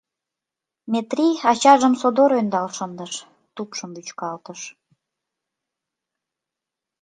Метрий ачажым содор ӧндал шындыш, тупшым вӱчкалтыш.